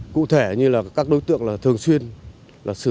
cụ thể như là các đối tượng là thường xuyên sử dụng